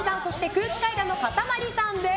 空気階段のかたまりさんです。